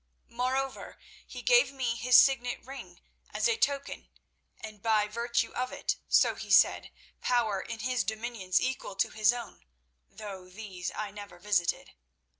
Moreover, he gave me his signet ring as a token, and, by virtue of it, so he said, power in his dominions equal to his own, though these I never visited.